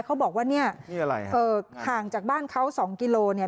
เขาบอกว่าเนี้ยนี่อะไรเอ่อห่างจากบ้านเขาสองกิโลเนี้ย